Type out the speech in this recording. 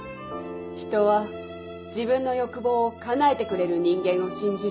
人は自分の欲望をかなえてくれる人間を信じる